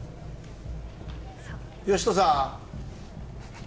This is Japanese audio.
嘉人さん。